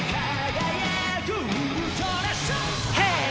ヘイ！